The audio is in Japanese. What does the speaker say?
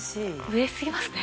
嬉しすぎますね。